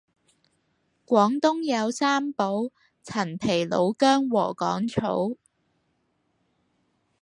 廣東有三寶陳皮老薑禾桿草